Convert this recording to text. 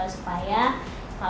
supaya kalau malem dia bisa di start